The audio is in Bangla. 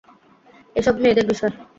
এসব মেয়েদের বিষয়।